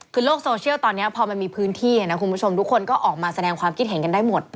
คือโลกโซเชียลตอนนี้พอมันมีพื้นที่นะคุณผู้ชมทุกคนก็ออกมาแสดงความคิดเห็นกันได้หมด